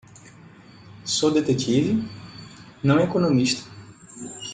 Sou detetive? não economista.